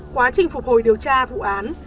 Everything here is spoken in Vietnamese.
quá trình phục hồi điều tra vụ án